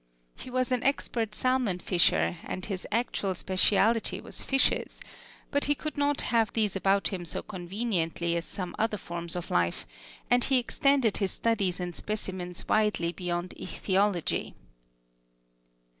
He was an expert salmon fisher, and his actual specialty was fishes; but he could not have these about him so conveniently as some other forms of life, and he extended his studies and specimens widely beyond ichthyology.